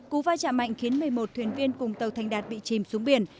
cú va chạm mạnh khiến một mươi một thuyền viên cùng tàu thành đạt bị chìm xuống biển